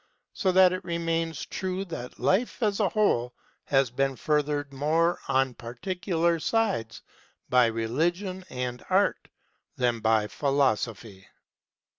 So that it remains true that life as a whole has been furthered more on particular sides by Religion and Art than by Philosophy.